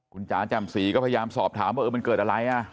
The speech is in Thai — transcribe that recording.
คุณจ๋าแจ่มสีก็พยายามสอบถามว่ามันเกิดอะไรอ่ะ